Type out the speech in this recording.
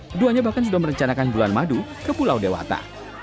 keduanya bahkan sudah merencanakan bulan madu ke pulau dewata